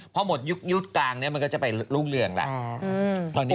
พอหมดยุคยุคกลางมันก็จะไปลุ่งเรืองละ